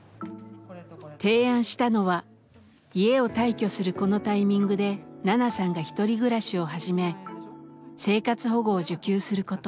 提案したのは家を退去するこのタイミングでナナさんが１人暮らしを始め生活保護を受給すること。